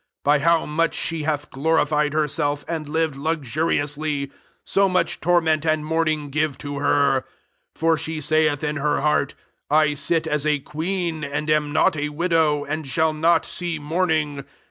7 By how much she hath glori fied herself, and lived luxu riously, so much torment and mourning give to her : for she saith in her heart, < I sit a« a queen, and am not a widow, and shall not see mourning.'